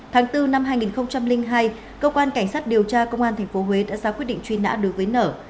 tháng bốn năm hai nghìn hai cơ quan cảnh sát điều tra công an tp huế đã ra quyết định truy nã đối với nở